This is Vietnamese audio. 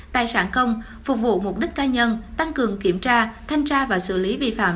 tài sản công phục vụ mục đích ca nhân tăng cường kiểm tra thanh tra và xử lý vi phạm